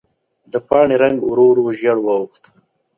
د پاڼې رنګ ورو ورو ژېړ واوښت.